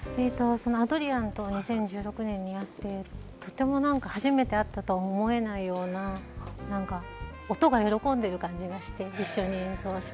アドリアンと２０１６年に会って、とても初めて会ったとは思えないような、音が喜んでる感じがして一緒に演奏して。